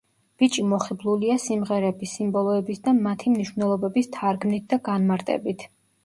ბიჭი მოხიბლულია სიმღერების, სიმბოლოების და მათი მნიშვნელობების თარგმნით და განმარტებით.